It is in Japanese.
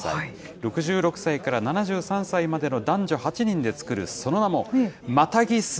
６６歳から７３歳までの男女８人で作る、その名も、マタギ。